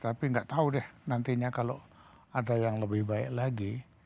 tapi nggak tahu deh nantinya kalau ada yang lebih baik lagi